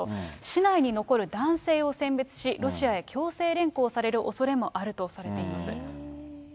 市内に残る男性を選別し、ロシアへ強制連行されるおそれもあるとされています。